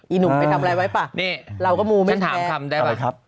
หนุ่มไปทำอะไรไว้ป่ะนี่เราก็มูไม่ฉันถามคำได้ไหมครับ